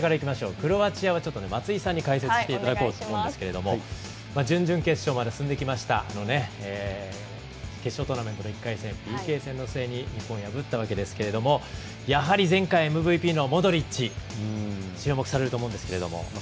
クロアチアは松井さんに解説していただこうと思うんですけども準々決勝まで進んできましたが決勝トーナメントの１回戦ＰＫ戦の末に日本を破ったわけですがやはり前回ＭＶＰのモドリッチ注目されると思うんですけれども。